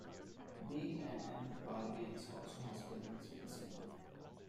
B and M Bargains also has presence in the centre.